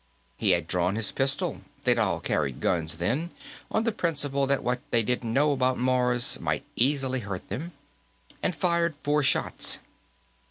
He had drawn his pistol they'd all carried guns, then, on the principle that what they didn't know about Mars might easily hurt them and fired four shots.